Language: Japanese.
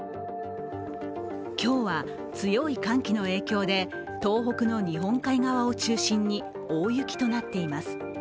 今日は強い寒気の影響で東北の日本海側を中心に大雪となっています。